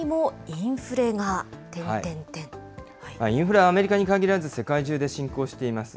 インフレはアメリカに限らず世界中で進行しています。